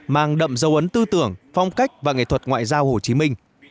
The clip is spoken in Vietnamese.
mang đậm dấu ấn tư tưởng phong cách và nghệ thuật ngoại giao hồ chí minh